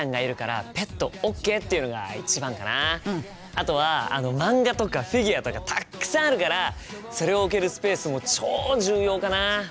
あとは漫画とかフィギュアとかたっくさんあるからそれを置けるスペースも超重要かな！